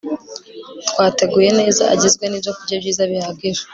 twateguye neza agizwe nibyokurya byiza bihagije